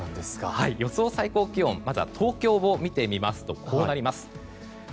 予想最高気温、東京を見ますとこうなります。